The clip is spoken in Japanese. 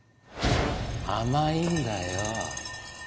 甘いんだよ。